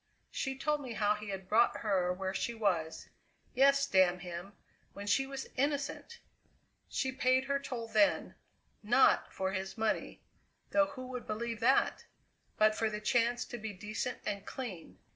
She told me how he had brought her where she was yes, damn him! when she was innocent! She paid her toll then, not for his money though who would believe that? but for the chance to be decent and clean.